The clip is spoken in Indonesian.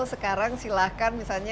sekarang silahkan misalnya